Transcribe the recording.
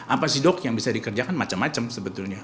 apa sih dok yang bisa dikerjakan macem macem sebetulnya